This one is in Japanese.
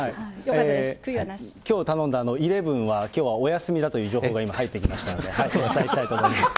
きょう頼んだイレブンは、きょうはお休みだという情報が今、入ってきましたので、お伝えしたいと思います。